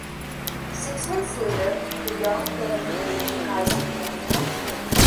Six months later, the young family moved to Geisenfeld.